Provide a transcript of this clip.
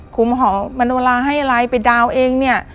ครูหมอมอนุลาให้อะไรไปดาวเองเนี่ย